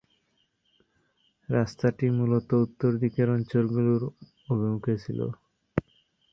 রাস্তাটি মুলত উত্তর দিকের অঞ্চল গুলোর অভিমুখে ছিল।